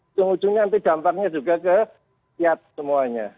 ujung ujungnya nanti dampaknya juga ke rakyat semuanya